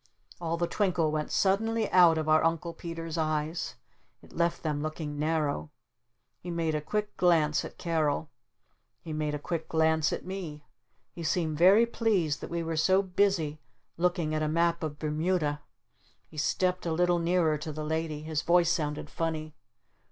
All the twinkle went suddenly out of our Uncle Peter's eyes. It left them looking narrow. He made a quick glance at Carol. He made a quick glance at me. He seemed very pleased that we were so busy looking at a map of Bermuda. He stepped a little nearer to the Lady. His voice sounded funny.